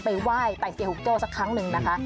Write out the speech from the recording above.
ไหว้ไต่เซียหุกโจ้สักครั้งหนึ่งนะคะ